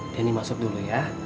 denny masuk dulu ya